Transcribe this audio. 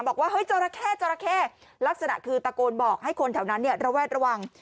บอกว่าเจ้าระเท่ลักษณะคือตะโกนบอกให้คนแถวนั้นระแวดระวัง